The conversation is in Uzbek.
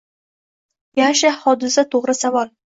Yasha Hodisa to‘g‘ri savol.